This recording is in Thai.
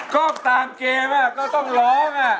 ก็ตามเกมอ่ะก็ต้องร้องอ่ะ